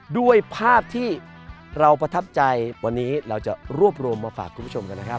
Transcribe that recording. ด้วยภาพที่เราประทับใจวันนี้เราจะรวบรวมมาฝากคุณผู้ชมกันนะครับ